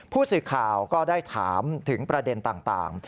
ผู้สื่อข่าวก็ได้ถามถึงประเด็นต่าง